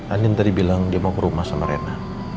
andin tadi bilang dia mau ke rumah sama rena